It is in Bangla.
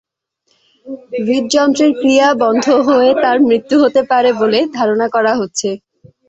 হূদযন্ত্রের ক্রিয়া বন্ধ হয়ে তাঁর মৃত্যু হতে পারে বলে ধারণা করা হচ্ছে।